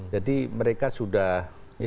jadi mereka sudah ya punya banyak